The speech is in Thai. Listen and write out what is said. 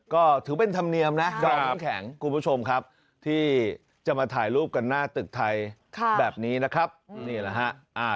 ก็ถือเป็นธรรมเนียมนะดอมน้ำแข็งคุณผู้ชมครับที่จะมาถ่ายรูปกันหน้าตึกไทยแบบนี้นะครับนี่แหละฮะ